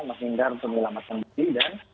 masinggar pemilu amatkan beri dan